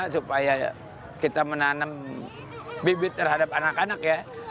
supaya kita menanam bibit terhadap anak anak ya